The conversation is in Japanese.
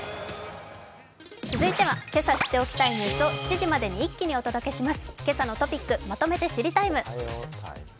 続いては今朝知っておきたいニュースを７時までに一気にお届けします。